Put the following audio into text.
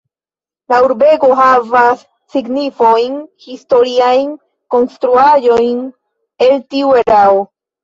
La urbego havas signifajn historiajn konstruaĵojn el tiu erao.